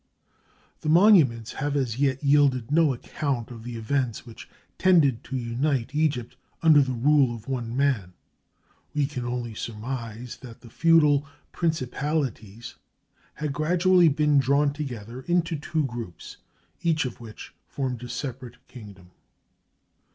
The monuments have as yet yielded no account of the events which tended to unite Egypt under the rule of one man; we can only surmise that the feudal principalities had gradually been drawn together into two groups, each of which formed a separate kingdom.